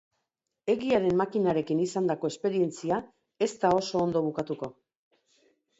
Egiaren makinarekin izandako esperientzia ez da oso ondo bukatuko.